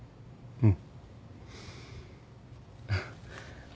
うん。